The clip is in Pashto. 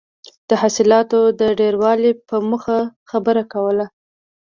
د حاصلاتو د ډېروالي په موخه خبره کوله.